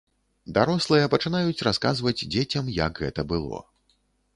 Дарослыя пачынаюць расказваць дзецям, як гэта было.